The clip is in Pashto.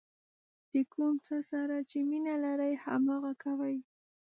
د کوم څه سره چې مینه لرئ هماغه کوئ.